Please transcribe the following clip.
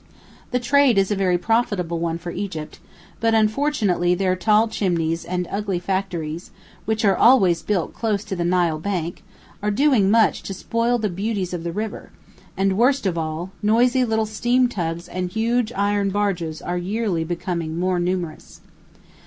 The trade is a very profitable one for Egypt, but, unfortunately, their tall chimneys and ugly factories, which are always built close to the Nile bank, are doing much to spoil the beauties of the river, and, worst of all, noisy little steam tugs and huge iron barges are yearly becoming more numerous.